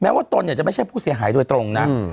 ว่าตนเนี่ยจะไม่ใช่ผู้เสียหายโดยตรงนะ